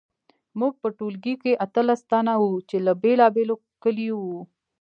موږ په ټولګي کې اتلس تنه وو چې له بیلابیلو کلیو وو